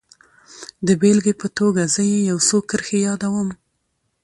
د بېلګې په توګه زه يې يو څو کرښې يادوم.